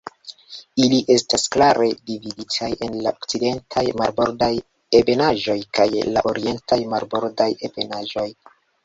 Ili estas klare dividitaj en la Okcidentaj Marbordaj Ebenaĵoj kaj la Orientaj Marbordaj Ebenaĵoj.